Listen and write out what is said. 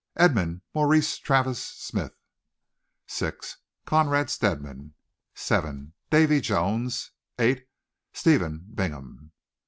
Edmund Maurice Travers Smith. 6. Conrad Stedman. 7. Davy Jones. 8. Stephen Bingham.